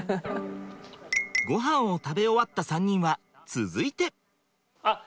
ごはんを食べ終わった３人は続いて。